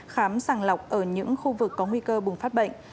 khám sàng lọc ở những khu vực có nguy cơ bùng phát bệnh